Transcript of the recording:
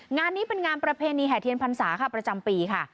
งานนี้เป็นงานประเพณีแห่เทียนพรรษาค่ะประจำปีค่ะ